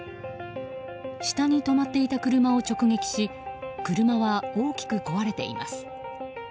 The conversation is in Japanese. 下に止まっていた車を直撃し車は大きく壊れています。